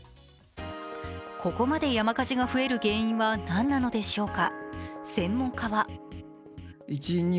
ここまで山火事が増える原因は何なのでしょうか。